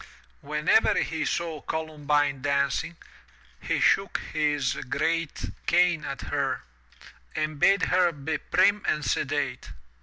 Whenever he saw Columbine dancing, he shook his great cane at her, and bade her be prim and sedate.